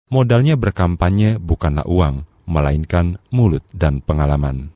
modalnya berkampanye bukanlah uang melainkan mulut dan pengalaman